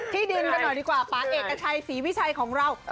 ที่ดินกันหน่อยดีกว่าป่าเอกชัยศรีวิชัยของเรา